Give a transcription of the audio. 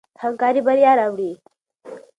همکاري بریا راوړي.